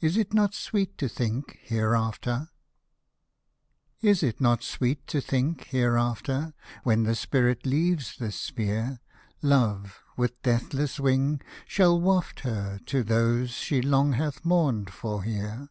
IS IT NOT SWEET TO THINK, HEREAFTER Is it not sweet to think, hereafter. When the Spirit leaves this sphere, Love, with deathless wing, shall waft her To those she long hath mourned for here